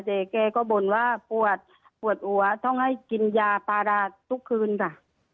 แต่แกก็บ่นว่าปวดปวดหัวต้องให้กินยาปาราทุกคืนค่ะ